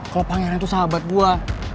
kalau pangeran itu sahabat gue